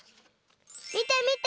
みてみて！